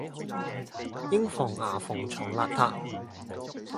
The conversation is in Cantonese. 應防牙縫藏邋遢